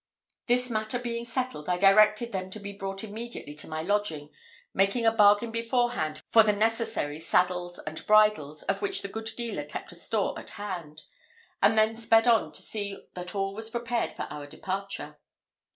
This matter being settled, I directed them to be brought immediately to my lodging; making a bargain beforehand for the necessary saddles and bridles, of which the good dealer kept a store at hand; and then sped on to see that all was prepared for our departure.